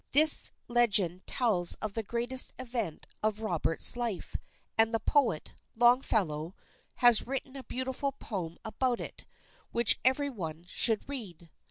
This legend tells of the greatest event of Robert's life; and the poet, Longfellow, has written a beautiful poem about it, which every one should read.